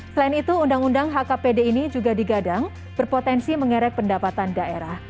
selain itu undang undang hkpd ini juga digadang berpotensi mengerek pendapatan daerah